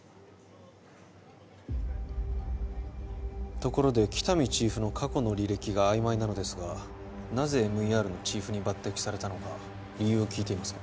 ところで喜多見チーフの過去の履歴があいまいなのですがなぜＭＥＲのチーフに抜擢されたのか理由を聞いていますか？